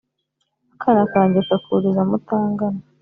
Akana kanjye kakuriza mutangana